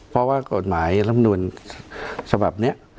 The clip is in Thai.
เพราะว่ากฎหมายรัฐมนูลสภาพนี้